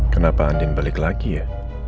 kenapa andin balik lagi ya